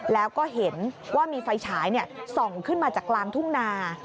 แล้วก็เห็นว่ามีไฟฉายส่องขึ้นมาจากกลางทุ่งนา